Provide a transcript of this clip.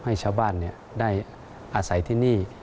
ให้ชาวบ้านได้อาศัยที่นี่